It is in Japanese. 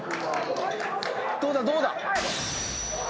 どうだどうだ？